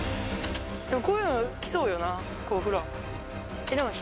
でもこういうの来そうよなほら。